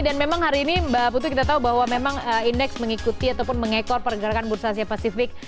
dan memang hari ini mbak putu kita tahu bahwa memang indeks mengikuti ataupun mengekor pergerakan bursa asia pasifik